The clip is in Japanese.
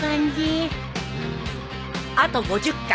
あと５０回。